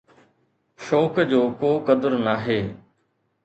شوق جو ڪو قدر ناهي.